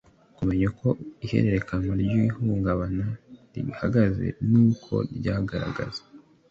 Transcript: Kumenya uko ihererekanya ry ihungabana rihagaze n uko ryigaragaza